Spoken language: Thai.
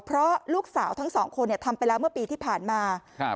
เพราะลูกสาวทั้งสองคนเนี่ยทำไปแล้วเมื่อปีที่ผ่านมาครับ